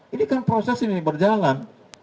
ini kan proses ini berjalan